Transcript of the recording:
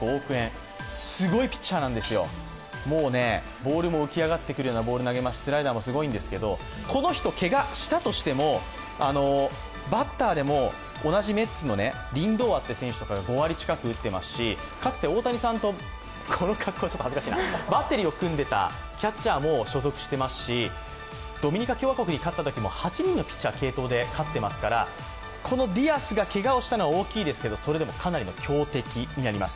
ボールも浮き上がってくる様なボールを投げますしスライダーもすごいんですけど、この人、けがしたとしてもバッターでも同じメッツのリンドアという選手が５割近く打っていますし、かつて大谷さんとバッテリーを組んでいたキャッチャーも所属していますし、ドミニカ共和国に勝ったときも８人のピッチャー継投で勝ってますからこのディアスがけがをしたのは大きいですけれども、かなりの難敵です。